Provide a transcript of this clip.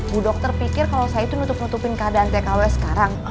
bu dokter pikir kalau saya itu nutup nutupin keadaan tkw sekarang